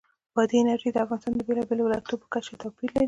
بادي انرژي د افغانستان د بېلابېلو ولایاتو په کچه توپیر لري.